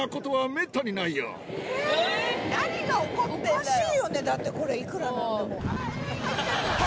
おかしいよねだってこれいくらなんでも。